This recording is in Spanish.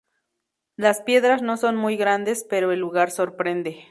Las piedras no son muy grandes pero el lugar sorprende.